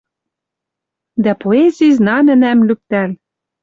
Дӓ, поэзи знамӹнӓм лӱктӓл